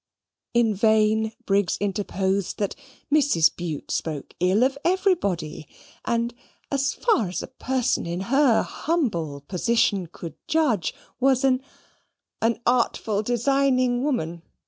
In vain Briggs interposed that Mrs. Bute spoke ill of everybody: and, as far as a person in her humble position could judge, was an "An artful designing woman?